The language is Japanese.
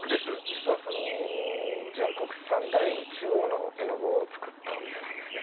実は純国産第一号の絵の具を作ったお店なんですね。